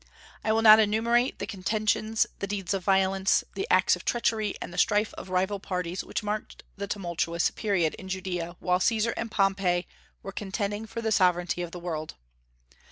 I will not enumerate the contentions, the deeds of violence, the acts of treachery, and the strife of rival parties which marked the tumultuous period in Judaea while Caesar and Pompey were contending for the sovereignty of the world.